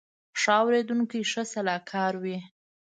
ښه اورېدونکی ښه سلاکار وي